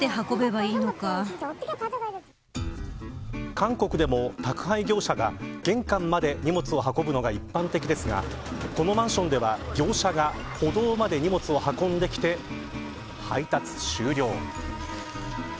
韓国でも宅配業者が玄関まで荷物を運ぶのが一般的ですがこのマンションでは業者が歩道まで荷物を運んできて配達終了。